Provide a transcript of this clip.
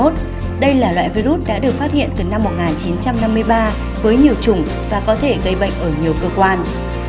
đây là loại virus đã được phát hiện từ năm một nghìn chín trăm năm mươi ba với nhiều chủng và có thể gây bệnh ở nhiều cơ quan